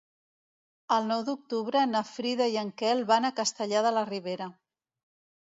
El nou d'octubre na Frida i en Quel van a Castellar de la Ribera.